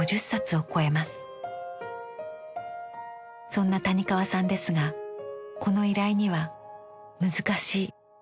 そんな谷川さんですがこの依頼には「難しい」とひと言。